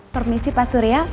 permisi pak surya